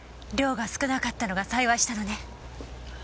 量が少なかったのが幸いしたのね。